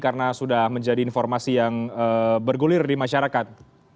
karena sudah menjadi informasi yang bergulir di masyarakat